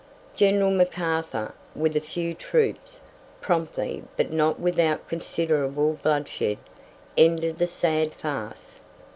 General McArthur, with a few troops, promptly, but not without considerable bloodshed, ended the sad farce.